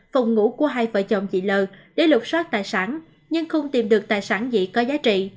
phòng ngủ của hai vợ chồng chị l để lục xoát tài sản nhưng không tìm được tài sản gì có giá trị